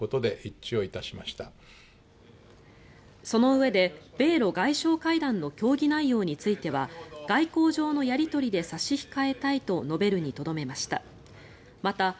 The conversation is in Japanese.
そのうえで米ロ外相会談の協議内容については外交上のやり取りで差し控えたいと述べるにとどめました。